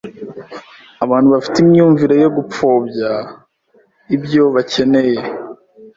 Abantu bafite imyumvire yo gupfobya ibyo bakeneye.